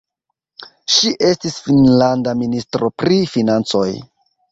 Ŝi estis finnlanda ministro pri financoj.